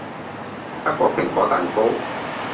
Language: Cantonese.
德國蘋果蛋糕